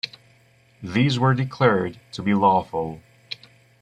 These were declared to be lawful.